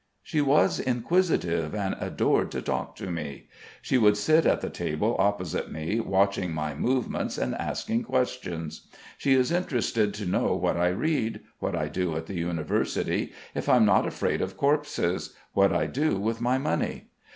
She was inquisitive and adored to talk to me. She would sit at the table opposite me, watching my movements and asking questions. She is interested to know what I read, what I do at the University, if I'm not afraid of corpses, what I do with my money.